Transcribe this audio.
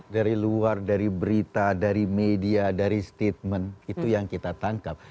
dari luar dari berita dari media dari statement itu yang kita tangkap